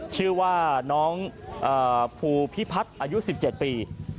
ชื่อว่าน้องภูพิพัฒน์อายุสิบเจ็ดปี